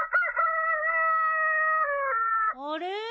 あれ？